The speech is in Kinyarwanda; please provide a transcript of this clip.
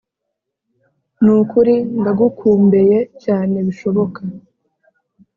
nukuri ndagukumbeye cyane bishoboka